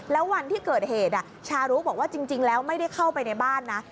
แล้ววันที่เกิดเหตุชารุบอกว่าจริงแล้วไม่ได้เข้าไปในบ้านนะ